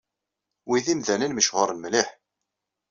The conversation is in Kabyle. Wi d imdanen mechuṛen mliḥ.